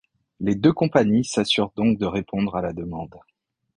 Les deux compagnies s’assurent donc de répondre à la demande.